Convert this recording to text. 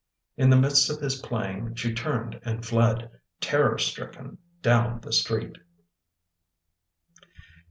In the midst of his playing she turned and fled, terror stricken, down the street.